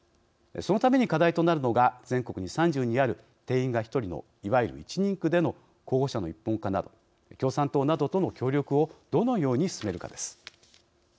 そのために課題となるのが全国に３２ある定員が１人のいわゆる１人区での候補者の一本化など共産党などとの協力をどのように進めるかです。